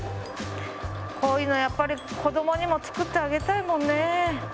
こういうのやっぱり子供にも作ってあげたいもんね。